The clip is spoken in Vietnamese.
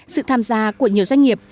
sự tham gia của nhiều doanh nghiệp